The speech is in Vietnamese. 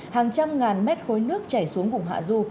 hàng trăm ngàn mét khối nước chảy xuống vùng hạ du